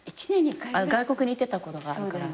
外国に行ってたことがあるから。